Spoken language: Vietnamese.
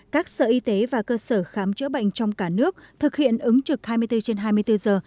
các sở y tế và cơ sở khám chữa bệnh trong cả nước thực hiện ứng trực hai mươi bốn trên hai mươi bốn giờ